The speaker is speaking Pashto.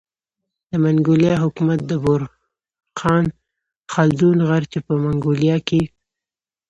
د منګولیا حکومت د بورخان خلدون غر چي په منګولیا کي